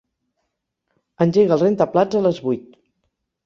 Engega el rentaplats a les vuit.